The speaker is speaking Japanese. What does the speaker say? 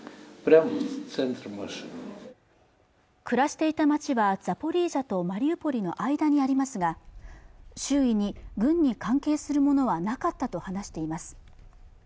暮らしていた町はザポリージャとマリウポリの間にありますが周囲に軍に関係するものはなかったと話しています